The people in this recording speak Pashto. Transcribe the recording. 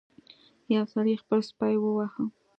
یو سړي خپل سپی وواهه.